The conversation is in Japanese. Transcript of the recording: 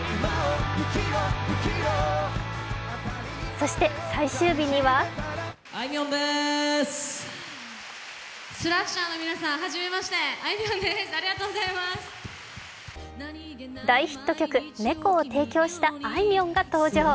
そして最終日には大ヒット曲「猫」を提供したあいみょんが登場。